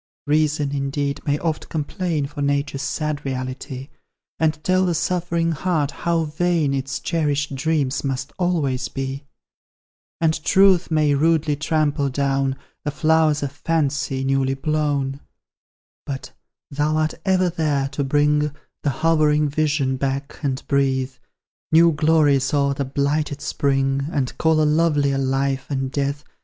Reason, indeed, may oft complain For Nature's sad reality, And tell the suffering heart how vain Its cherished dreams must always be; And Truth may rudely trample down The flowers of Fancy, newly blown: But thou art ever there, to bring The hovering vision back, and breathe New glories o'er the blighted spring, And call a lovelier Life from Death.